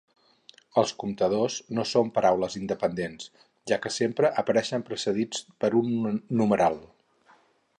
Els comptadors no són paraules independents, ja que sempre apareixen precedits per un numeral.